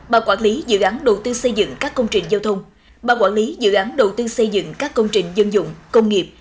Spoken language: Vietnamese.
ban quản lý dự án đầu tư xây dựng các công trình giao thông ban quản lý dự án đầu tư xây dựng các công trình dân dụng công nghiệp